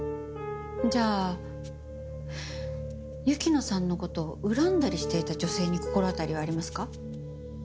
じゃあ雪乃さんの事を恨んだりしていた女性に心当たりはありますか？